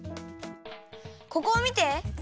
ここをみて！